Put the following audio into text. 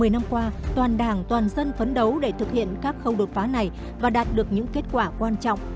một mươi năm qua toàn đảng toàn dân phấn đấu để thực hiện các khâu đột phá này và đạt được những kết quả quan trọng